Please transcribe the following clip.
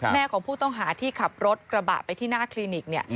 ของผู้ต้องหาที่ขับรถกระบะไปที่หน้าคลินิก